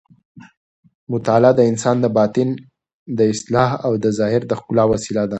مطالعه د انسان د باطن د اصلاح او د ظاهر د ښکلا وسیله ده.